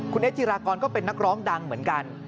คุณเอ๊จิรากรก็เป็นนักร้องดังเหมือนกัน